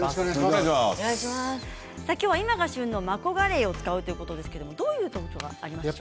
今日は、今が旬のマコガレイを使うということですがどういう特徴がありますか？